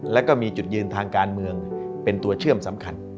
แล้วก็มีจุดยืนทางการเมืองเป็นตัวเชื่อมสำคัญ